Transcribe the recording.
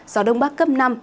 gió đông bắc cấp năm